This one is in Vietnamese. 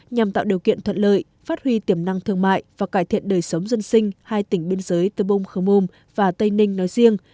nhằm tạo điều kiện thuận lợi phát huy tiềm năng thương mại và cải thiện đời sống dân sinh hai tỉnh biên giới tờ bông khơ mum và tây ninh nói riêng